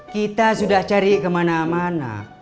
kita sudah cari kemana mana